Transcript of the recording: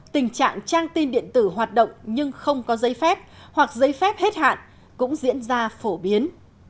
tình trạng trang tin điện tử hoạt động nhưng không có giấy phép hoặc giấy phép hết hạn cũng diễn ra phổ biến